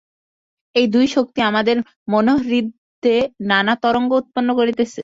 এই দুই শক্তি আমাদের মনোহ্রদে নানা তরঙ্গ উৎপন্ন করিতেছে।